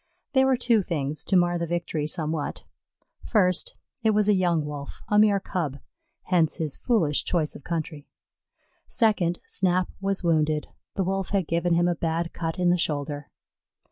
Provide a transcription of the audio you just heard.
There were two things to mar the victory somewhat: first, it was a young Wolf, a mere Cub, hence his foolish choice of country; second, Snap was wounded the Wolf had given him a bad cut in the shoulder.